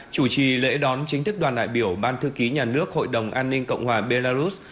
chủ trì lễ đón chính thức đoàn đại biểu ban thư ký nhà nước hội đồng an ninh cộng hòa belarus